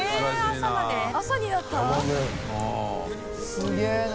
すげぇな。